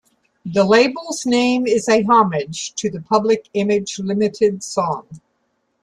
The label's name is a homage to the Public Image Limited song.